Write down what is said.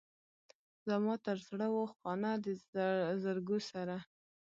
زما تر زړه و خانه د زرګو سره.